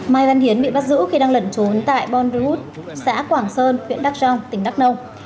mai văn hiến bị bắt giữ khi đang lẩn trốn tại bornwood xã quảng sơn huyện đắk trong tỉnh đắk nông